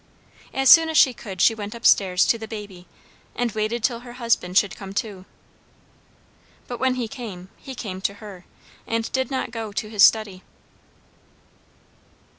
As soon as she could she went up stairs to the baby, and waited till her husband should come too. But when he came, he came to her, and did not go to his study.